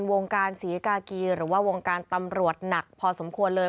วงการศรีกากีหรือว่าวงการตำรวจหนักพอสมควรเลย